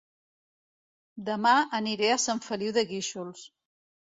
Dema aniré a Sant Feliu de Guíxols